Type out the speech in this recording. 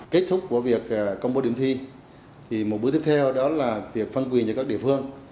kết thúc của việc công bố điểm thi thì một bước tiếp theo đó là việc phân quyền cho các địa phương